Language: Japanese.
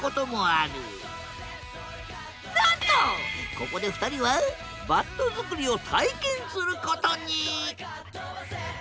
ここで２人はバット作りを体験することに！